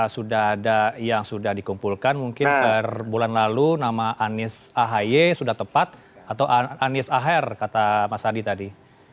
sudah ada yang sudah dikumpulkan mungkin per bulan lalu nama anies ahy sudah tepat atau anies aher kata mas adi tadi